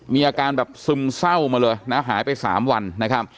มีอาการแบบซึมเศร้ามาเลยนะหายไป๓วันนะครับ